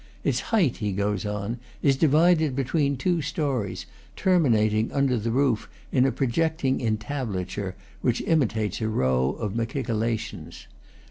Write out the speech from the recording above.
"Its height," he goes on, "is divided between two stories, terminat ing under the roof in a projecting entablature which imitates a row of machicolations.